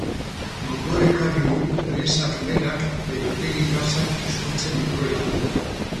Gogora ekarri du presak berak berotegi gasak isurtzen dituela.